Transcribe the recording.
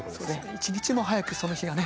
一日も早くその日がね